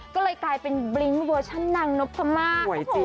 ก็เลยกลายเป็นบลิ้งเวอร์ชันนางนพม่า